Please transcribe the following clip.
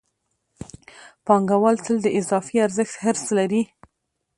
پانګوال تل د اضافي ارزښت حرص لري